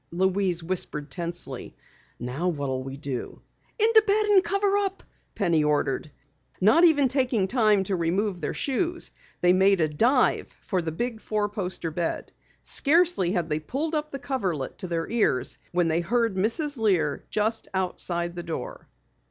Louise whispered tensely. "Now what'll we do?" "Into bed and cover up!" Penny ordered. Not even taking time to remove their shoes, they made a dive for the big four poster bed. Scarcely had they pulled the coverlet up to their ears than they heard Mrs. Lear just outside the door.